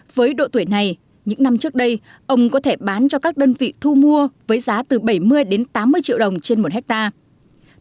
với độ tuổi này những năm trước đây ông có thể bán cho các đơn vị thu mua với giá từ bảy mươi đến tám mươi triệu đồng trên một hectare